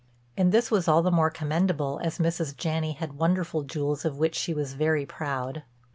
And this was all the more commendable, as Mrs. Janney had wonderful jewels of which she was very proud.